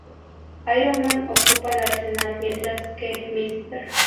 Iron Man ocupa al Arsenal mientras que Ms.